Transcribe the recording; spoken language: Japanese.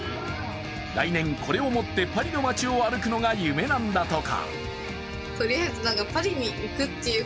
来年これを持ってパリの街を歩くのが夢なんだとか。